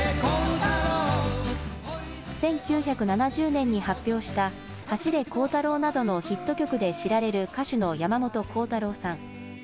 １９７０年に発表した走れコウタローなどのヒット曲で知られる歌手の山本コウタローさん。